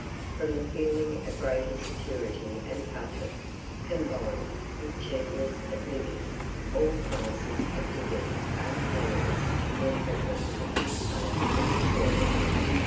"From the feeling of greater security and comfort, combined with cheapness of living, all classes of diggers are unanimous in their preference of this place to Victoria.